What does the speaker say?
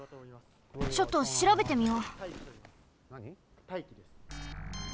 ちょっとしらべてみよう。